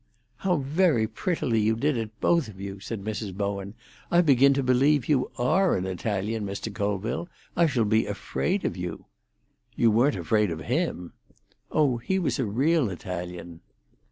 "How very prettily you did it, both of you!" said Mrs. Bowen. "I begin to believe you are an Italian, Mr. Colville. I shall be afraid of you." "You weren't afraid of him." "Oh, he was a real Italian."